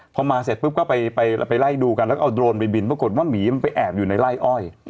พอมาเสร็จปุ๊บก็ไปไล่ดูกันแล้วก็เอาโดรนไปบินปรากฏว่าหมีมันไปแอบอยู่ในไล่อ้อย